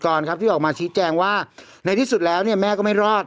ครับที่ออกมาชี้แจงว่าในที่สุดแล้วเนี่ยแม่ก็ไม่รอด